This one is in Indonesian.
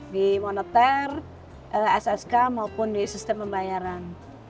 di moneter ssk maupun di sistem pembayaran